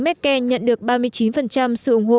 merkel nhận được ba mươi chín sự ủng hộ